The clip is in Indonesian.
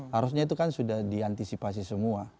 harusnya itu kan sudah diantisipasi semua